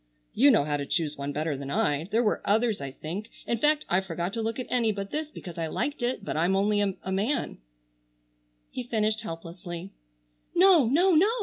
You know how to choose one better than I. There were others I think. In fact, I forgot to look at any but this because I liked it, but I'm only a man——" he finished helplessly. "No! No! No!"